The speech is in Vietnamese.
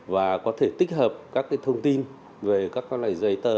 và có thể tích hợp các cái thông tin về các cái giấy tờ